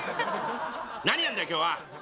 何やんだよ今日は！